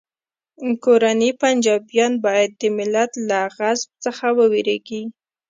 کورني پنجابیان باید د ملت له غضب څخه وویریږي